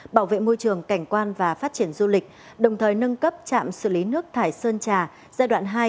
bảo vệ môi trường cảnh quan và phát triển du lịch đồng thời nâng cấp trạm xử lý nước thải sơn trà giai đoạn hai